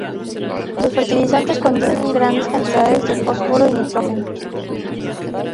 Los fertilizantes contienen grandes cantidades de fósforo y nitrógeno.